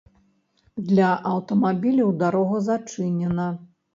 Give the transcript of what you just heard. Для аўтамабіляў дарога зачынена.